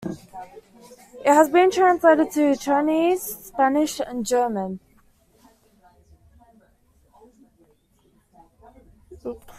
It has been translated into Chinese, Spanish, and German.